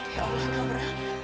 ya allah naura